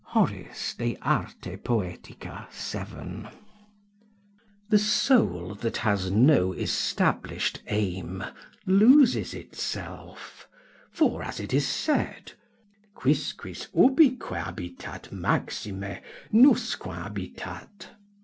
Hor., De Arte Poetica, 7.] The soul that has no established aim loses itself, for, as it is said "Quisquis ubique habitat, Maxime, nusquam habitat."